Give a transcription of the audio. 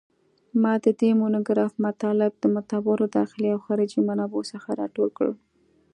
ما د دې مونوګراف مطالب د معتبرو داخلي او خارجي منابعو څخه راټول کړل